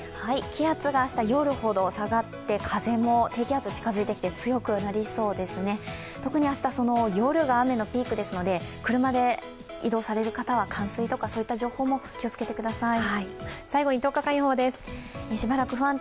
気圧が明日、夜ほど下がって低気圧が近づいてきて風も強くなりそうですね、特に明日夜が雨のピークですので車で移動される方は冠水とか、そういった情報も気をつけてください。